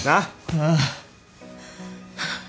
ああ。